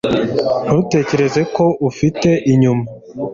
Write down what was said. Ntutekereza ko ufite inyuma?